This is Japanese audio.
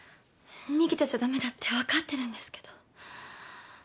逃げてちゃ駄目だって分かってるんですけど。